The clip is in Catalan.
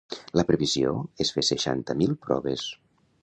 La previsió és fer seixanta mil proves.